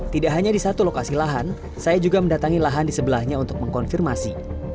tidak hanya di satu lokasi lahan saya juga mendatangi lahan di sebelahnya untuk mengkonfirmasi